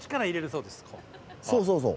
そうそうそう。